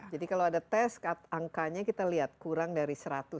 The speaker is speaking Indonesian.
jadi kalau ada tes angkanya kita lihat kurang dari seratus